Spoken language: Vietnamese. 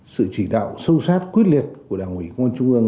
sự chỉ đạo sâu sát quyết liệt của đảng ủy công an trung ương